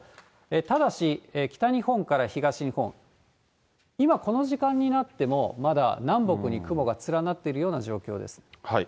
ただし、北日本から東日本、今、この時間になっても、まだ南北に雲が連なっているような状況です。